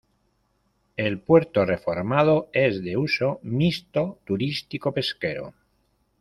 El puerto, reformado, es de uso mixto turístico-pesquero.